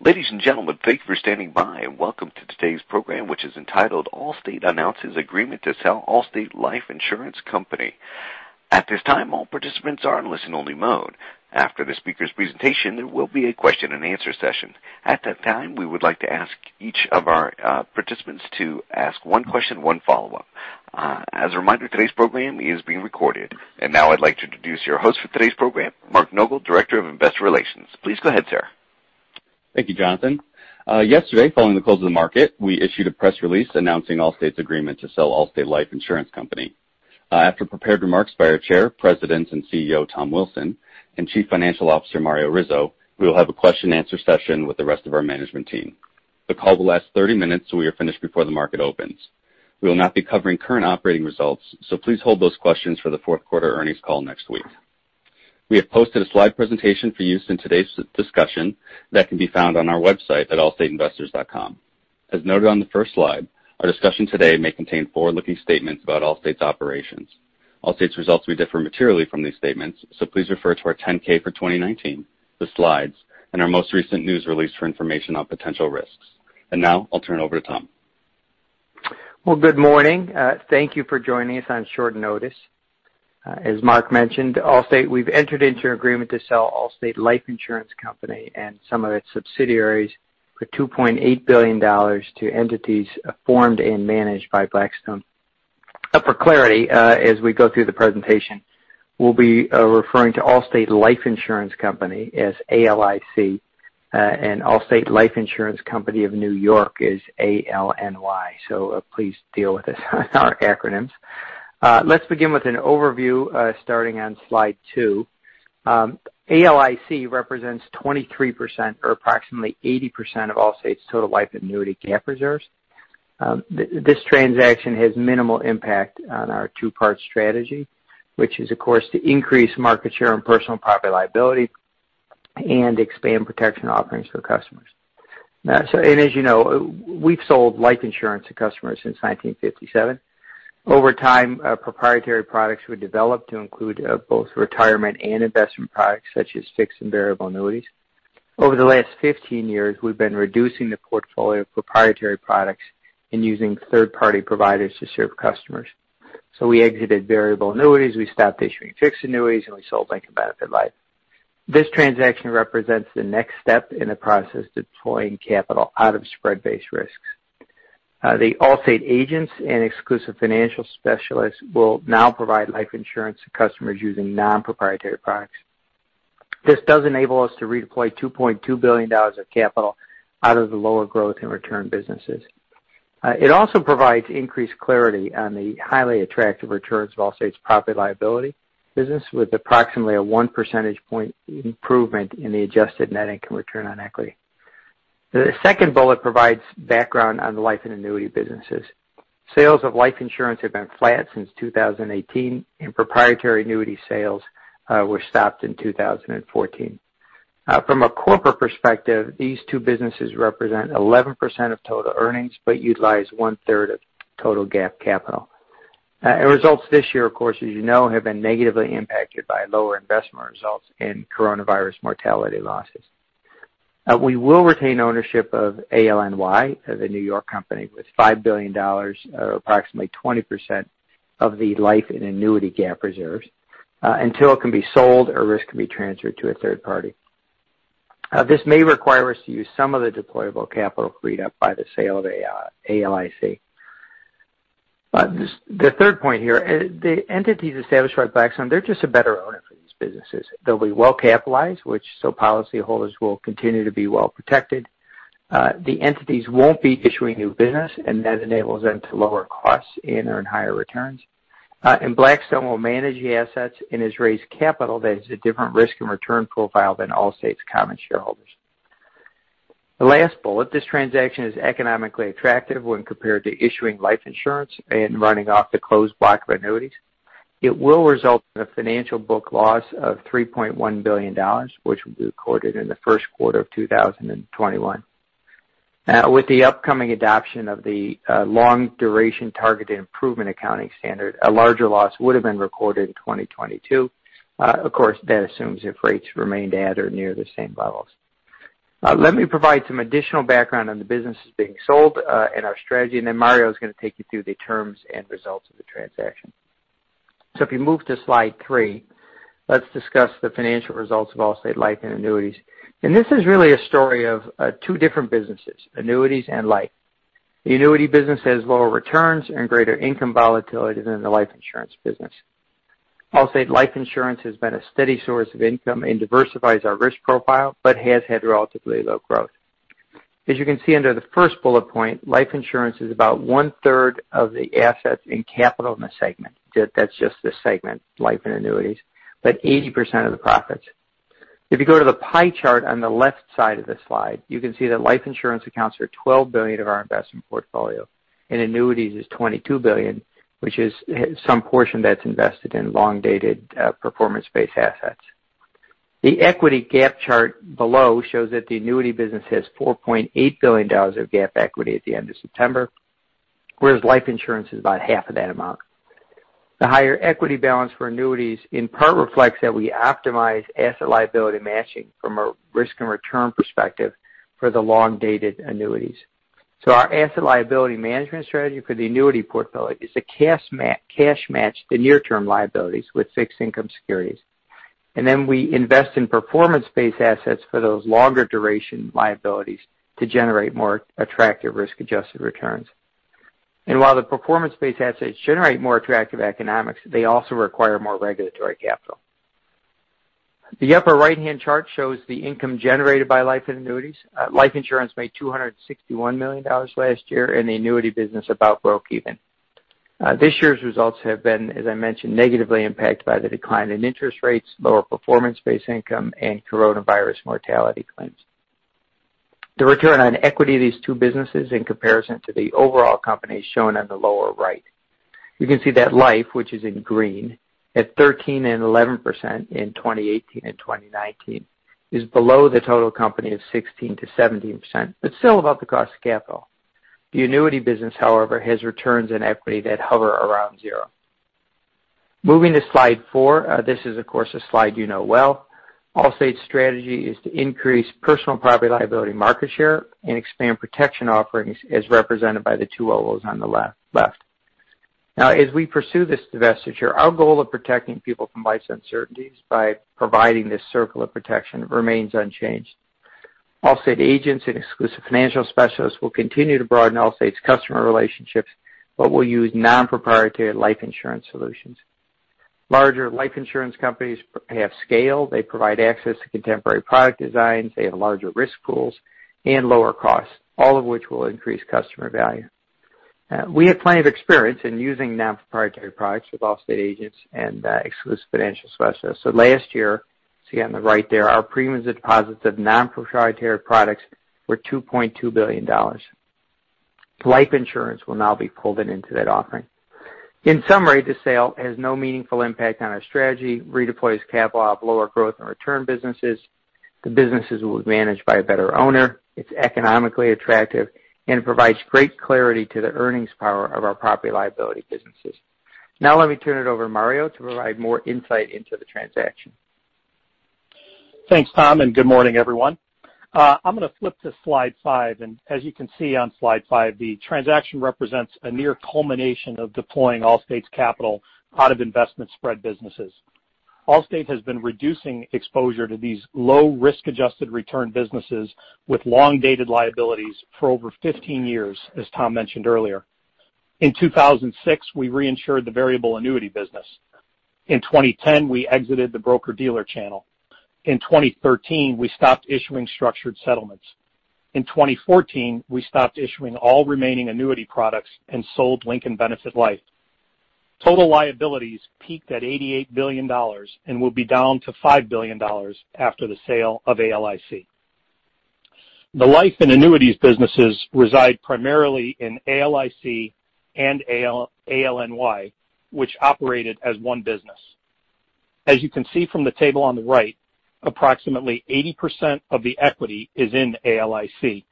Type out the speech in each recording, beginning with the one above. Ladies and gentlemen, thank you for standing by, and welcome to today's program, which is entitled Allstate Announces Agreement to Sell Allstate Life Insurance Company. At this time, all participants are in listen-only mode. After the speaker's presentation, there will be a question-and-answer session. At that time, we would like to ask each of our participants to ask one question, one follow-up. As a reminder, today's program is being recorded. And now I'd like to introduce your host for today's program, Mark Nogal, Director of Investor Relations. Please go ahead, sir. Thank you, Jonathan. Yesterday, following the close of the market, we issued a press release announcing Allstate's agreement to sell Allstate Life Insurance Company. After prepared remarks by our Chair, President, and CEO Tom Wilson, and Chief Financial Officer Mario Rizzo, we will have a question-and-answer session with the rest of our management team. The call will last 30 minutes, so we are finished before the market opens. We will not be covering current operating results, so please hold those questions for the 4th quarter earnings call next week. We have posted a slide presentation for use in today's discussion that can be found on our website at allstateinvestors.com. As noted on the first slide, our discussion today may contain forward-looking statements about Allstate's operations. Allstate's results may differ materially from these statements, so please refer to our 10-K for 2019, the slides, and our most recent news release for information on potential risks. And now I'll turn it over to Tom. Good morning. Thank you for joining us on short notice. As Mark mentioned, Allstate, we've entered into an agreement to sell Allstate Life Insurance Company and some of its subsidiaries for $2.8 billion to entities formed and managed by Blackstone. For clarity, as we go through the presentation, we'll be referring to Allstate Life Insurance Company as ALIC, and Allstate Life Insurance Company of New York is ALNY. So please deal with our acronyms. Let's begin with an overview starting on slide two. ALIC represents 23%, or approximately 80%, of Allstate's total life annuity GAAP reserves. This transaction has minimal impact on our two-part strategy, which is, of course, to increase market share and personal property liability and expand protection offerings for customers. As you know, we've sold life insurance to customers since 1957. Over time, proprietary products were developed to include both retirement and investment products such as fixed and variable annuities. Over the last 15 years, we've been reducing the portfolio of proprietary products and using third-party providers to serve customers, so we exited variable annuities, we stopped issuing fixed annuities, and we sold Lincoln Benefit Life. This transaction represents the next step in the process of deploying capital out of spread-based risks. The Allstate agents and exclusive financial specialists will now provide life insurance to customers using non-proprietary products. This does enable us to redeploy $2.2 billion of capital out of the lower growth and return businesses. It also provides increased clarity on the highly attractive returns of Allstate's property liability business with approximately a one percentage point improvement in the adjusted net income return on equity. The second bullet provides background on the life and annuity businesses. Sales of life insurance have been flat since 2018, and proprietary annuity sales were stopped in 2014. From a corporate perspective, these two businesses represent 11% of total earnings but utilize 1/3 of total GAAP capital. Results this year, of course, as you know, have been negatively impacted by lower investment results and coronavirus mortality losses. We will retain ownership of ALNY, the New York company, with $5 billion, or approximately 20% of the life and annuity GAAP reserves, until it can be sold or risk can be transferred to a third party. This may require us to use some of the deployable capital freed up by the sale of ALIC. The third point here, the entities established by Blackstone, they're just a better owner for these businesses. They'll be well capitalized, which policyholders will continue to be well protected. The entities won't be issuing new business, and that enables them to lower costs and earn higher returns. Blackstone will manage the assets and has raised capital that has a different risk and return profile than Allstate's common shareholders. The last bullet: this transaction is economically attractive when compared to issuing life insurance and running off the closed block of annuities. It will result in a financial book loss of $3.1 billion, which will be recorded in the 1st quarter of 2021. With the upcoming adoption of the Long-Duration Targeted Improvement accounting standard, a larger loss would have been recorded in 2022. Of course, that assumes if rates remained at or near the same levels. Let me provide some additional background on the businesses being sold and our strategy, and then Mario is going to take you through the terms and results of the transaction. So if you move to slide three, let's discuss the financial results of Allstate Life and Annuities. And this is really a story of two different businesses, annuities and life. The annuity business has lower returns and greater income volatility than the life insurance business. Allstate Life Insurance has been a steady source of income and diversifies our risk profile, but has had relatively low growth. As you can see under the first bullet point, life insurance is about 1/3 of the assets and capital in the segment. That's just the segment, life and annuities, but 80% of the profits. If you go to the pie chart on the left side of the slide, you can see that life insurance accounts are $12 billion of our investment portfolio, and annuities is $22 billion, which is some portion that's invested in long-dated performance-based assets. The equity GAAP chart below shows that the annuity business has $4.8 billion of GAAP equity at the end of September, whereas life insurance is about half of that amount. The higher equity balance for annuities in part reflects that we optimize asset liability matching from a risk and return perspective for the long-dated annuities. So our asset liability management strategy for the annuity portfolio is to cash match the near-term liabilities with fixed income securities. And then we invest in performance-based assets for those longer duration liabilities to generate more attractive risk-adjusted returns. And while the performance-based assets generate more attractive economics, they also require more regulatory capital. The upper right-hand chart shows the income generated by life and annuities. Life insurance made $261 million last year, and the annuity business about broke even. This year's results have been, as I mentioned, negatively impacted by the decline in interest rates, lower performance-based income, and coronavirus mortality claims. The return on equity of these two businesses in comparison to the overall company is shown on the lower right. You can see that life, which is in green, at 13% and 11% in 2018 and 2019, is below the total company of 16%-17%, but still about the cost of capital. The annuity business, however, has returns in equity that hover around zero. Moving to slide four, this is, of course, a slide you know well. Allstate's strategy is to increase personal property liability market share and expand protection offerings as represented by the two ovals on the left. Now, as we pursue this divestiture, our goal of protecting people from life's uncertainties by providing this circle of protection remains unchanged. Allstate agents and exclusive financial specialists will continue to broaden Allstate's customer relationships, but will use non-proprietary life insurance solutions. Larger life insurance companies have scale. They provide access to contemporary product designs. They have larger risk pools and lower costs, all of which will increase customer value. We have plenty of experience in using non-proprietary products with Allstate agents and exclusive financial specialists. So last year, see on the right there, our premiums and deposits of non-proprietary products were $2.2 billion. Life insurance will now be pulled into that offering. In summary, the sale has no meaningful impact on our strategy, redeploys capital out of lower growth and return businesses. The businesses will be managed by a better owner. It's economically attractive and provides great clarity to the earnings power of our property liability businesses. Now let me turn it over to Mario to provide more insight into the transaction. Thanks, Tom, and good morning, everyone. I'm going to flip to slide five. As you can see on slide five, the transaction represents a near culmination of deploying Allstate's capital out of investment spread businesses. Allstate has been reducing exposure to these low risk-adjusted return businesses with long-dated liabilities for over 15 years, as Tom mentioned earlier. In 2006, we reinsured the variable annuity business. In 2010, we exited the broker-dealer channel. In 2013, we stopped issuing structured settlements. In 2014, we stopped issuing all remaining annuity products and sold Lincoln Benefit Life. Total liabilities peaked at $88 billion and will be down to $5 billion after the sale of ALIC. The life and annuities businesses reside primarily in ALIC and ALNY, which operated as one business. As you can see from the table on the right, approximately 80% of the equity is in ALIC,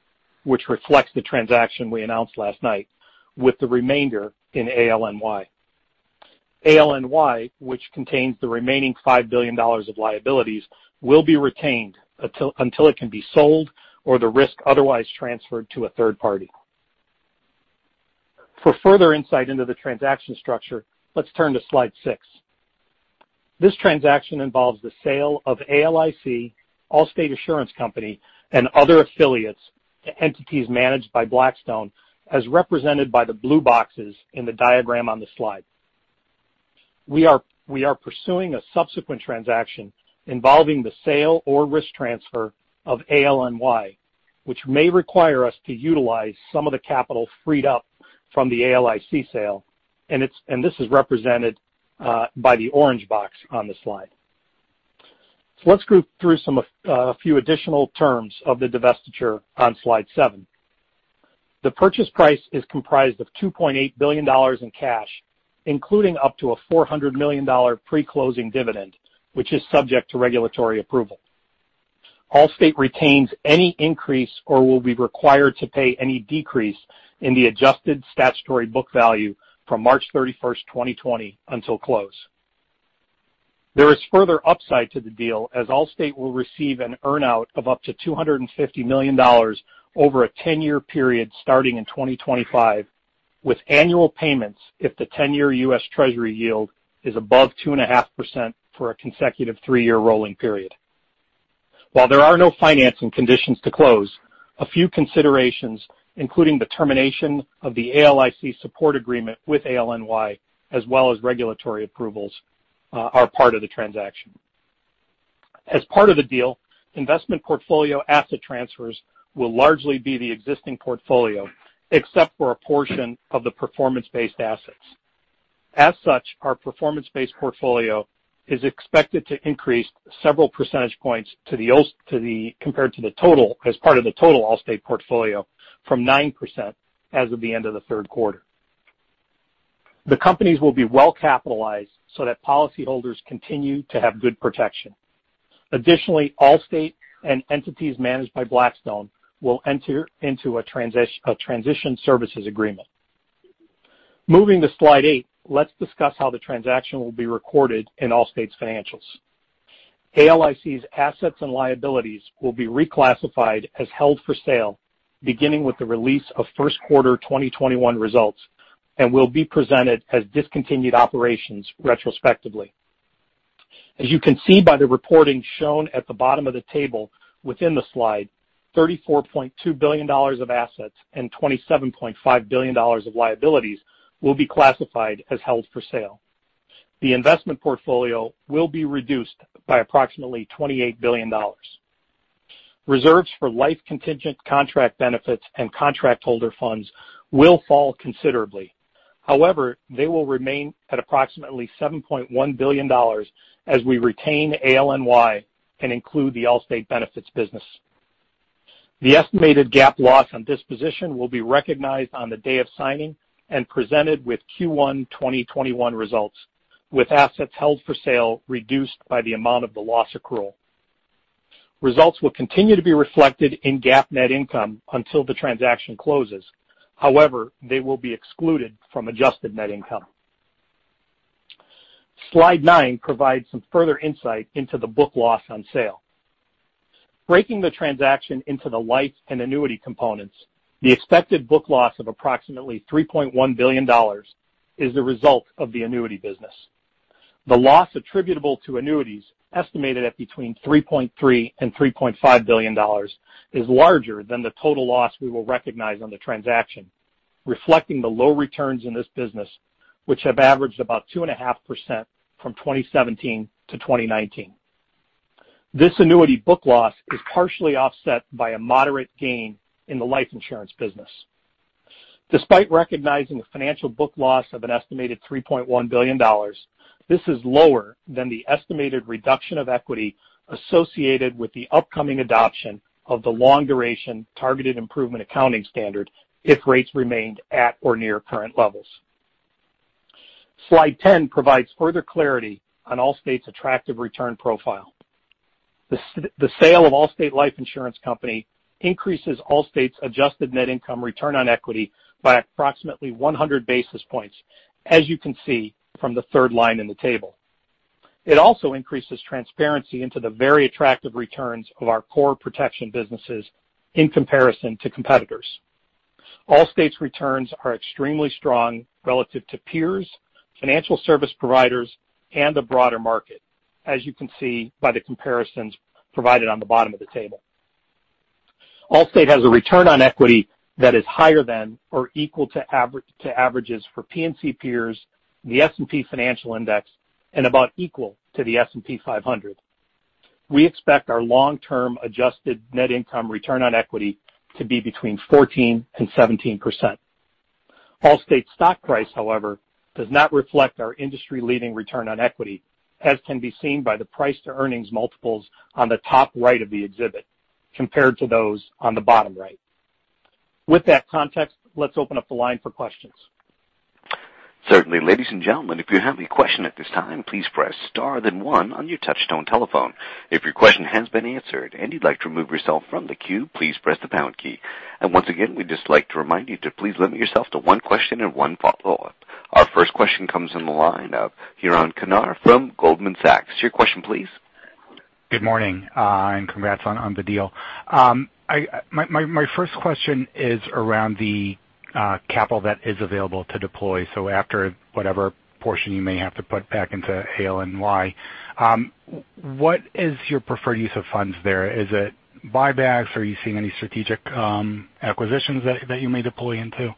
which reflects the transaction we announced last night, with the remainder in ALNY. ALNY, which contains the remaining $5 billion of liabilities, will be retained until it can be sold or the risk otherwise transferred to a third party. For further insight into the transaction structure, let's turn to slide six. This transaction involves the sale of ALIC, Allstate Assurance Company, and other affiliates to entities managed by Blackstone, as represented by the blue boxes in the diagram on the slide. We are pursuing a subsequent transaction involving the sale or risk transfer of ALNY, which may require us to utilize some of the capital freed up from the ALIC sale, and this is represented by the orange box on the slide. Let's go through a few additional terms of the divestiture on slide seven. The purchase price is comprised of $2.8 billion in cash, including up to a $400 million pre-closing dividend, which is subject to regulatory approval. Allstate retains any increase or will be required to pay any decrease in the adjusted statutory book value from March 31st, 2020, until close. There is further upside to the deal as Allstate will receive an earnout of up to $250 million over a 10-year period starting in 2025, with annual payments if the 10-year US Treasury yield is above 2.5% for a consecutive three-year rolling period. While there are no financing conditions to close, a few considerations, including the termination of the ALIC support agreement with ALNY, as well as regulatory approvals, are part of the transaction. As part of the deal, investment portfolio asset transfers will largely be the existing portfolio, except for a portion of the performance-based assets. As such, our performance-based portfolio is expected to increase several percentage points compared to the total as part of the total Allstate portfolio from 9% as of the end of the 3rd quarter. The companies will be well capitalized so that policyholders continue to have good protection. Additionally, Allstate and entities managed by Blackstone will enter into a transition services agreement. Moving to slide eight, let's discuss how the transaction will be recorded in Allstate's financials. ALIC's assets and liabilities will be reclassified as held for sale, beginning with the release of 1st quarter 2021 results, and will be presented as discontinued operations retrospectively. As you can see by the reporting shown at the bottom of the table within the slide, $34.2 billion of assets and $27.5 billion of liabilities will be classified as held for sale. The investment portfolio will be reduced by approximately $28 billion. Reserves for life contingent contract benefits and contract holder funds will fall considerably. However, they will remain at approximately $7.1 billion as we retain ALNY and include the Allstate benefits business. The estimated GAAP loss on this position will be recognized on the day of signing and presented with Q1 2021 results, with assets held for sale reduced by the amount of the loss accrual. Results will continue to be reflected in GAAP net income until the transaction closes. However, they will be excluded from adjusted net income. Slide nine provides some further insight into the book loss on sale. Breaking the transaction into the life and annuity components, the expected book loss of approximately $3.1 billion is the result of the annuity business. The loss attributable to annuities, estimated at between $3.3 billion and $3.5 billion, is larger than the total loss we will recognize on the transaction, reflecting the low returns in this business, which have averaged about 2.5% from 2017 to 2019. This annuity book loss is partially offset by a moderate gain in the life insurance business. Despite recognizing a financial book loss of an estimated $3.1 billion, this is lower than the estimated reduction of equity associated with the upcoming adoption of the Long-Duration Targeted Improvement accounting standard if rates remained at or near current levels. Slide 10 provides further clarity on Allstate's attractive return profile. The sale of Allstate Life Insurance Company increases Allstate's adjusted net income return on equity by approximately 100 basis points, as you can see from the 3rd line in the table. It also increases transparency into the very attractive returns of our core protection businesses in comparison to competitors. Allstate's returns are extremely strong relative to peers, financial service providers, and the broader market, as you can see by the comparisons provided on the bottom of the table. Allstate has a return on equity that is higher than or equal to averages for P&C peers, the S&P Financial Index, and about equal to the S&P 500. We expect our long-term adjusted net income return on equity to be between 14% and 17%. Allstate's stock price, however, does not reflect our industry-leading return on equity, as can be seen by the price-to-earnings multiples on the top right of the exhibit compared to those on the bottom right. With that context, let's open up the line for questions. Certainly. Ladies and gentlemen, if you have a question at this time, please press star then one on your touchtone telephone. If your question has been answered and you'd like to remove yourself from the queue, please press the # key. And once again, we'd just like to remind you to please limit yourself to one question and one follow-up. Our first question comes in the line of Yaron Kinar from Goldman Sachs. Your question, please. Good morning and congrats on the deal. My first question is around the capital that is available to deploy. So after whatever portion you may have to put back into ALNY, what is your preferred use of funds there? Is it buybacks? Are you seeing any strategic acquisitions that you may deploy into?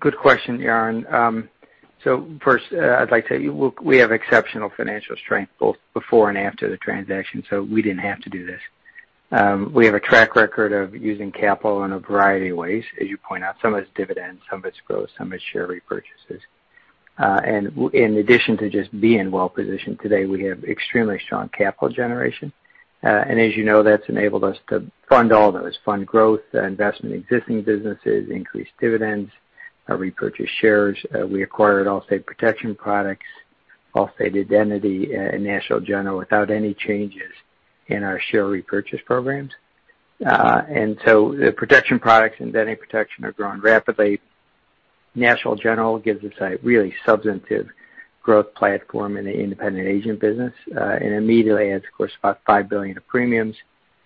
Good question, Yaron. So first, I'd like to say we have exceptional financial strength both before and after the transaction, so we didn't have to do this. We have a track record of using capital in a variety of ways, as you point out. Some of it's dividends, some of it's growth, some of it's share repurchases. And in addition to just being well-positioned today, we have extremely strong capital generation. And as you know, that's enabled us to fund all those: fund growth, invest in existing businesses, increase dividends, repurchase shares. We acquired Allstate Protection Products, Allstate Identity, and National General without any changes in our share repurchase programs. And so the protection products and identity protection are growing rapidly. National General gives us a really substantive growth platform in the independent agent business and immediately adds, of course, about $5 billion of premiums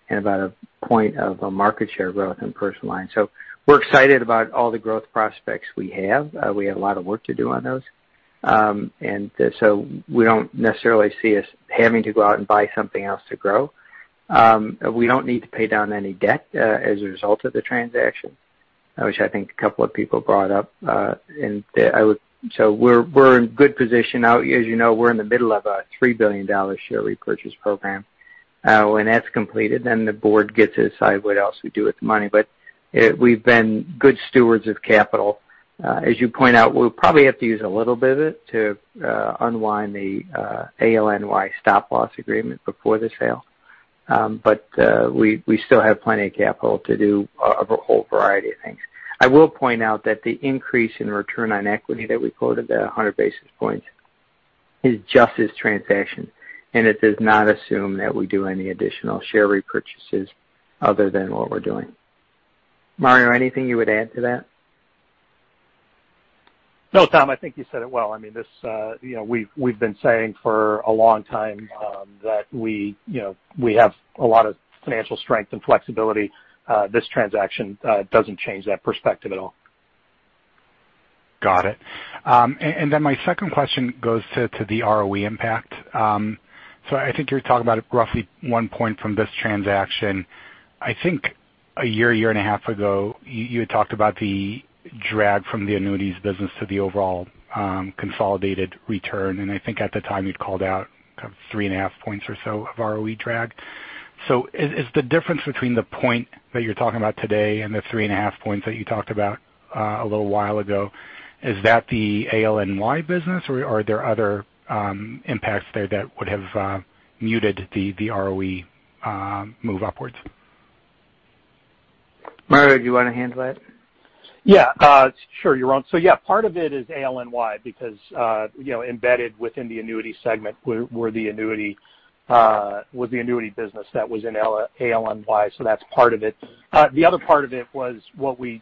and about a point of market share growth in personal lines. So we're excited about all the growth prospects we have. We have a lot of work to do on those. And so we don't necessarily see us having to go out and buy something else to grow. We don't need to pay down any debt as a result of the transaction, which I think a couple of people brought up. And so we're in good position. As you know, we're in the middle of a $3 billion share repurchase program. When that's completed, then the board gets to decide what else we do with the money. But we've been good stewards of capital. As you point out, we'll probably have to use a little bit of it to unwind the ALNY stop-loss agreement before the sale. But we still have plenty of capital to do a whole variety of things. I will point out that the increase in return on equity that we quoted at 100 basis points is just this transaction. And it does not assume that we do any additional share repurchases other than what we're doing. Mario, anything you would add to that? No, Tom, I think you said it well. I mean, we've been saying for a long time that we have a lot of financial strength and flexibility. This transaction doesn't change that perspective at all. Got it. And then my second question goes to the ROE impact. So I think you're talking about roughly one point from this transaction. I think a year, year and a half ago, you had talked about the drag from the annuities business to the overall consolidated return. And I think at the time you'd called out kind of three and a half points or so of ROE drag. So is the difference between the point that you're talking about today and the three and a half points that you talked about a little while ago, is that the ALNY business, or are there other impacts there that would have muted the ROE move upwards? Mario, do you want to handle that? Yeah. Sure, Yaron. So yeah, part of it is ALNY because embedded within the annuity segment was the annuity business that was in ALNY. So that's part of it. The other part of it was what we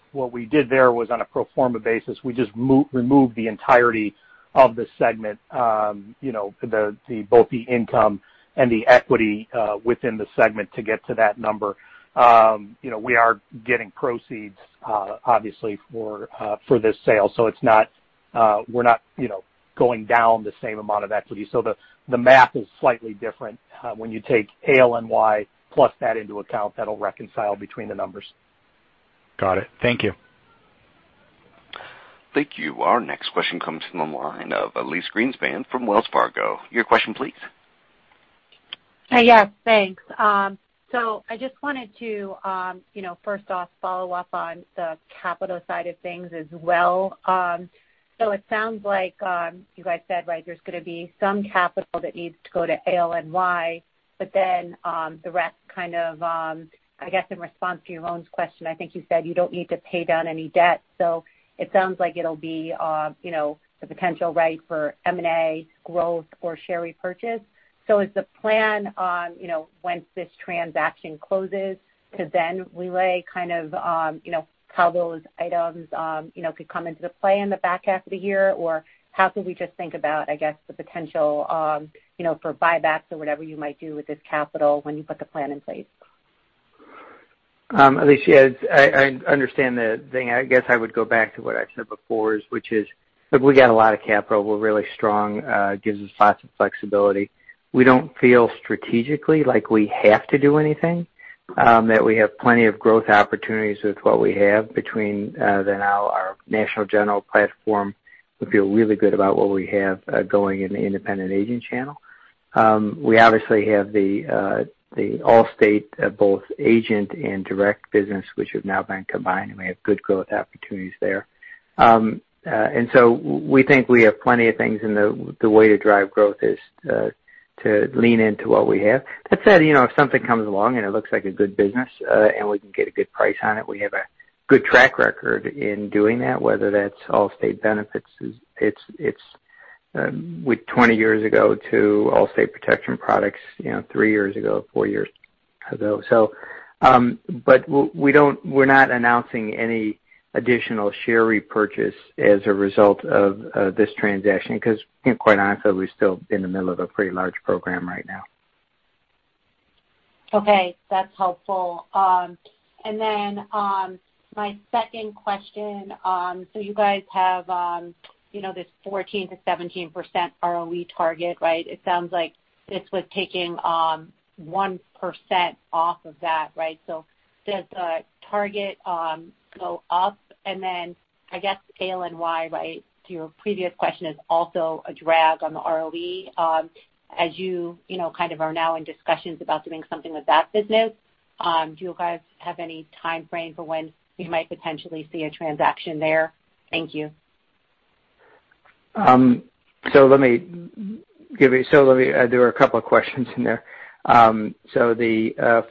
did there was on a pro forma basis. We just removed the entirety of the segment, both the income and the equity within the segment to get to that number. We are getting proceeds, obviously, for this sale. So we're not going down the same amount of equity. So the math is slightly different. When you take ALNY plus that into account, that'll reconcile between the numbers. Got it. Thank you. Thank you. Our next question comes from the line of Elyse Greenspan from Wells Fargo. Your question, please. Hi, yes. Thanks. So I just wanted to, first off, follow up on the capital side of things as well. So it sounds like you guys said, right, there's going to be some capital that needs to go to ALNY, but then the rest kind of, I guess, in response to your own question, I think you said you don't need to pay down any debt. So it sounds like it'll be the potential, right, for M&A, growth, or share repurchase. So is the plan, once this transaction closes, to then relay kind of how those items could come into play in the back half of the year? Or how could we just think about, I guess, the potential for buybacks or whatever you might do with this capital when you put the plan in place? Elyse, I understand the thing. I guess I would go back to what I said before, which is if we got a lot of capital, we're really strong. It gives us lots of flexibility. We don't feel strategically like we have to do anything, that we have plenty of growth opportunities with what we have between our National General platform. We feel really good about what we have going in the independent agent channel. We obviously have the Allstate, both agent and direct business, which have now been combined, and we have good growth opportunities there. And so we think we have plenty of things, and the way to drive growth is to lean into what we have. That said, if something comes along and it looks like a good business and we can get a good price on it, we have a good track record in doing that, whether that's Allstate Benefits with 20 years ago to Allstate Protection Products three years ago, four years ago. But we're not announcing any additional share repurchase as a result of this transaction because, quite honestly, we're still in the middle of a pretty large program right now. Okay. That's helpful. And then my second question, so you guys have this 14%-17% ROE target, right? It sounds like this was taking 1% off of that, right? So does the target go up? And then I guess ALNY, right, to your previous question, is also a drag on the ROE as you kind of are now in discussions about doing something with that business. Do you guys have any time frame for when you might potentially see a transaction there? Thank you. So let me give you there were a couple of questions in there. The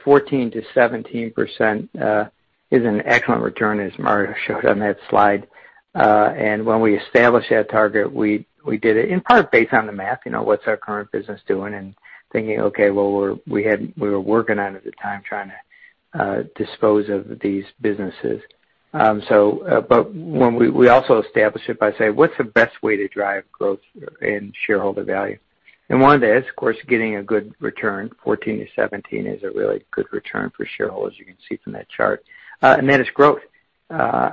14%-17% is an excellent return, as Mario showed on that slide. When we established that target, we did it in part based on the math, what's our current business doing, and thinking, "Okay, well, we were working on it at the time, trying to dispose of these businesses." We also established it by saying, "What's the best way to drive growth and shareholder value?" One of that is, of course, getting a good return. 14%-17% is a really good return for shareholders, as you can see from that chart. Then it's growth. We're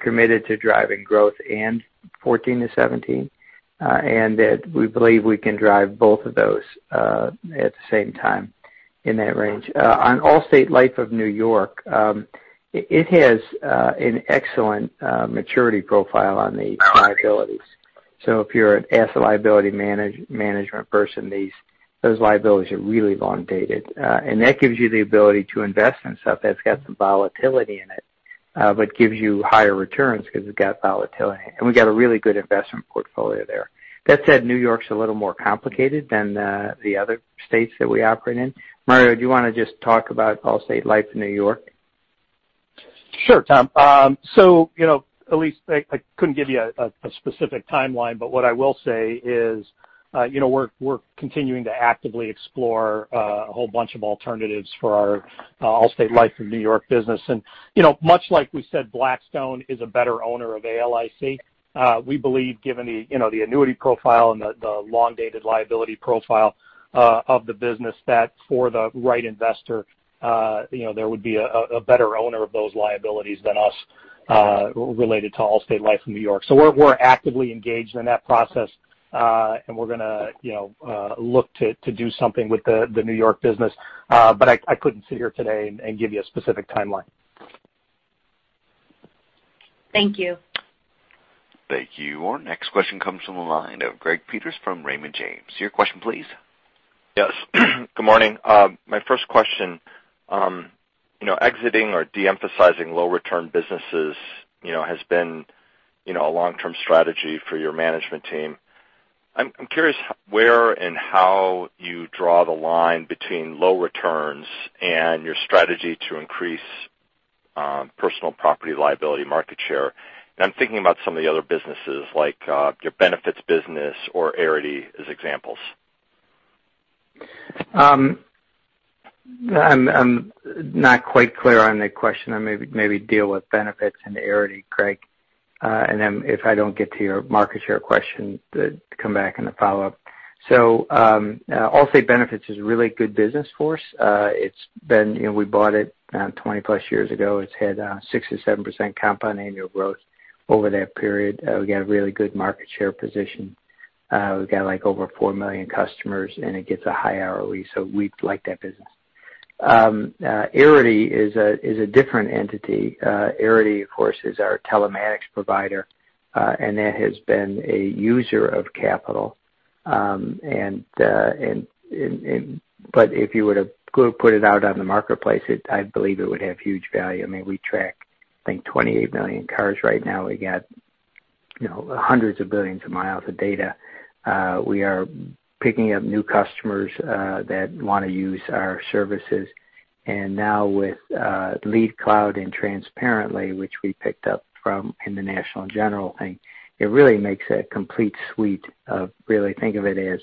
committed to driving growth and 14%-17%, and we believe we can drive both of those at the same time in that range. On Allstate Life of New York, it has an excellent maturity profile on the liabilities. So if you're an asset liability management person, those liabilities are really long-dated. And that gives you the ability to invest in stuff that's got some volatility in it, but gives you higher returns because it's got volatility. And we've got a really good investment portfolio there. That said, New York's a little more complicated than the other states that we operate in. Mario, do you want to just talk about Allstate Life of New York? Sure, Tom. So Elyse, I couldn't give you a specific timeline, but what I will say is we're continuing to actively explore a whole bunch of alternatives for our Allstate Life of New York business. And much like we said, Blackstone is a better owner of ALIC. We believe, given the annuity profile and the long-dated liability profile of the business, that for the right investor, there would be a better owner of those liabilities than us related to Allstate Life of New York. So we're actively engaged in that process, and we're going to look to do something with the New York business. But I couldn't sit here today and give you a specific timeline. Thank you. Thank you. Our next question comes from the line of Greg Peters from Raymond James. Your question, please. Yes. Good morning. My first question, exiting or de-emphasizing low-return businesses has been a long-term strategy for your management team. I'm curious where and how you draw the line between low returns and your strategy to increase personal property liability market share, and I'm thinking about some of the other businesses like your benefits business or Arity as examples. I'm not quite clear on the question. I maybe deal with benefits and Arity, Greg, and then if I don't get to your market share question, come back and then follow up, so Allstate Benefits is a really good business for us. We bought it 20+ years ago. It's had 6%-7% compound annual growth over that period. We got a really good market share position. We've got over 4 million customers, and it gets a high ROE, so we like that business. Arity is a different entity. Arity, of course, is our telematics provider, and that has been a user of capital. But if you were to put it out on the marketplace, I believe it would have huge value. I mean, we track, I think, 28 million cars right now. We got hundreds of billions of miles of data. We are picking up new customers that want to use our services. And now with LeadCloud and Transparent.ly, which we picked up from in the National General thing, it really makes a complete suite of really think of it as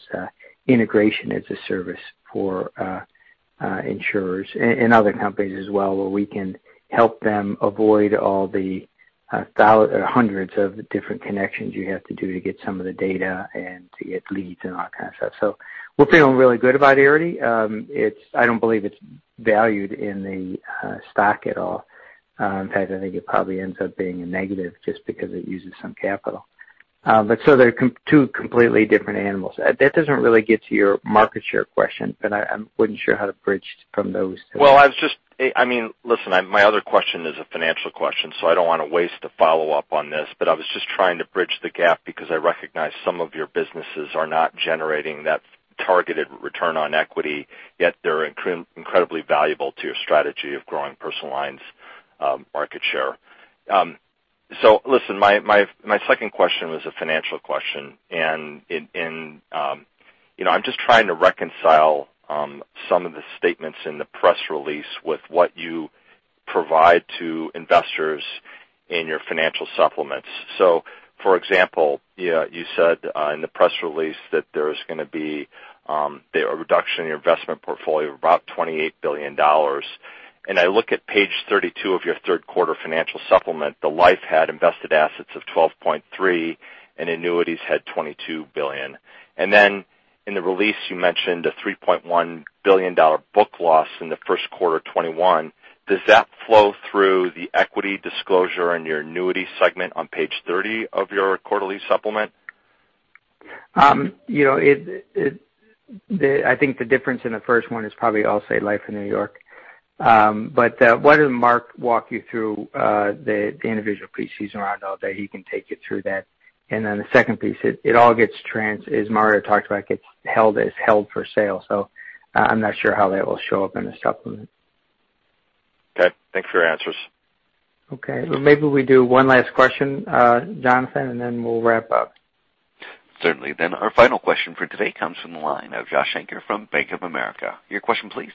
integration as a service for insurers and other companies as well, where we can help them avoid all the hundreds of different connections you have to do to get some of the data and to get leads and all kinds of stuff. So we're feeling really good about Arity. I don't believe it's valued in the stock at all. In fact, I think it probably ends up being a negative just because it uses some capital. But so they're two completely different animals. That doesn't really get to your market share question, but I wasn't sure how to bridge from those to. Well, I mean, listen, my other question is a financial question, so I don't want to waste the follow-up on this. But I was just trying to bridge the gap because I recognize some of your businesses are not generating that targeted return on equity, yet they're incredibly valuable to your strategy of growing personal lines market share. So listen, my second question was a financial question. And I'm just trying to reconcile some of the statements in the press release with what you provide to investors in your financial supplements. So for example, you said in the press release that there's going to be a reduction in your investment portfolio of about $28 billion. And I look at page 32 of your 3rd quarter financial supplement, the life had invested assets of $12.3 billion and annuities had $22 billion. And then in the release, you mentioned a $3.1 billion book loss in the 1st quarter 2021. Does that flow through the equity disclosure and your annuity segment on page 30 of your quarterly supplement? I think the difference in the first one is probably Allstate Life of New York. But why don't Mark walk you through the individual pieces around all that? He can take you through that. And then the second piece, it all gets, as Mario talked about, it's held for sale. So I'm not sure how that will show up in the supplement. Okay. Thanks for your answers. Okay. Well, maybe we do one last question, Jonathan, and then we'll wrap up. Certainly. Then our final question for today comes from the line of Josh Shanker from Bank of America. Your question, please.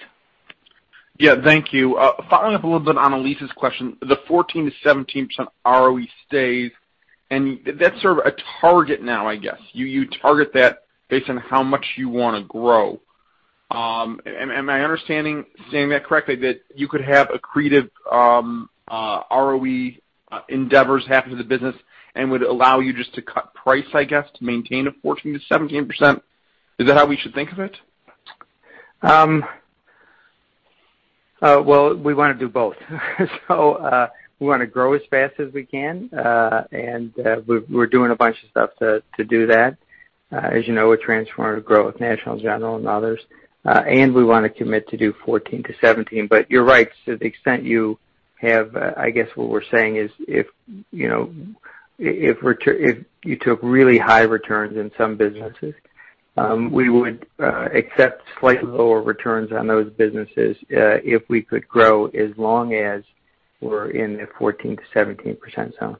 Yeah. Thank you. Following up a little bit on Elyse's question, the 14%-17% ROE stays, and that's sort of a target now, I guess. You target that based on how much you want to grow. Am I understanding that correctly, that you could have accretive ROE endeavors happen to the business and would allow you just to cut price, I guess, to maintain a 14%-17%? Is that how we should think of it? Well, we want to do both. So we want to grow as fast as we can, and we're doing a bunch of stuff to do that. As you know, we're transforming growth, National General and others. And we want to commit to do 14%-17%. But you're right. To the extent you have, I guess what we're saying is if you took really high returns in some businesses, we would accept slightly lower returns on those businesses if we could grow as long as we're in the 14%-17% zone.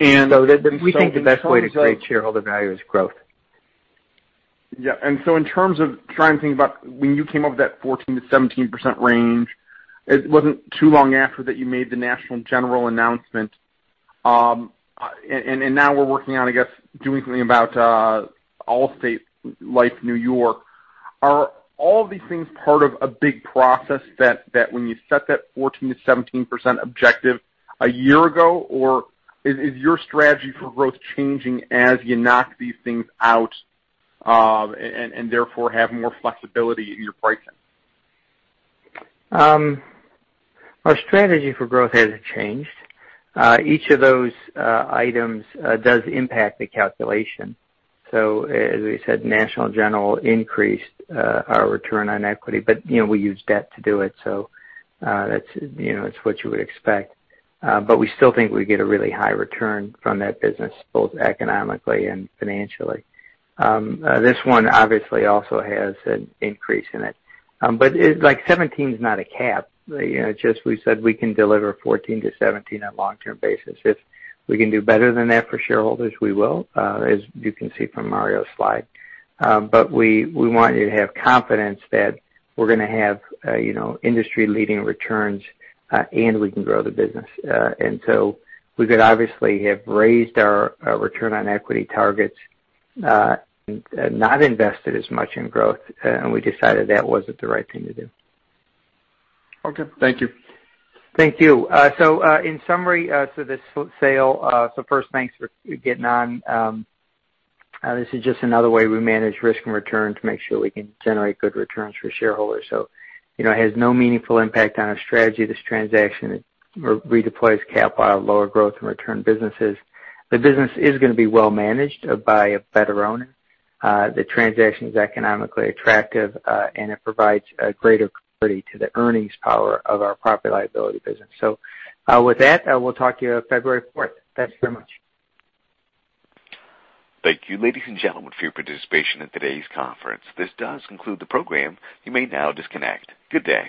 So we think the best way to create shareholder value is growth. Yeah. And so in terms of trying to think about when you came up with that 14%-17% range, it wasn't too long after that you made the National General announcement. And now we're working on, I guess, doing something about Allstate Life New York. Are all of these things part of a big process that when you set that 14%-17% objective a year ago, or is your strategy for growth changing as you knock these things out and therefore have more flexibility in your pricing? Our strategy for growth hasn't changed. Each of those items does impact the calculation. So as we said, National General increased our return on equity, but we use debt to do it. So that's what you would expect. But we still think we get a really high return from that business, both economically and financially. This one obviously also has an increase in it. But 17% is not a cap. It's just we said we can deliver 14%-17% on a long-term basis. If we can do better than that for shareholders, we will, as you can see from Mario's slide. But we want you to have confidence that we're going to have industry-leading returns and we can grow the business. We could obviously have raised our return on equity targets and not invested as much in growth, and we decided that wasn't the right thing to do. Okay. Thank you. Thank you. In summary, this sale, first, thanks for getting on. This is just another way we manage risk and return to make sure we can generate good returns for shareholders. It has no meaningful impact on our strategy. This transaction redeploys capital out of lower growth and return businesses. The business is going to be well-managed by a better owner. The transaction is economically attractive, and it provides greater clarity to the earnings power of our property liability business. With that, we'll talk to you February 4th. Thanks very much. Thank you, ladies and gentlemen, for your participation in today's conference. This does conclude the program. You may now disconnect. Good day.